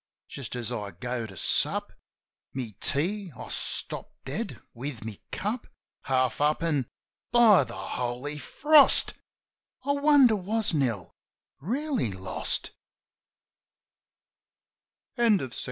Just as I go to sup My tea I stop dead, with my cup Half up, an' ... By the Holy Frost ! I wonder was Nell reely lost?